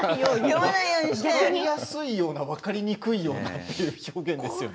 分かりやすいような分かりにくいようなっていう表現ですよね。